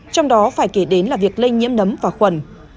trong đó phải kể đến là việc lây nhiễm nấm và khuẩn